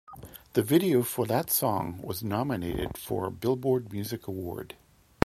The video for that song was nominated for a Billboard Music Award.